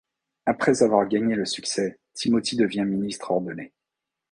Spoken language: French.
Après avoir gagné le succès, Timothy devient ministre ordonné.